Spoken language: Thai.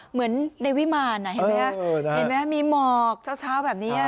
เหมือนในวิมานเห็นไหมมีหมอกเช้าแบบนี้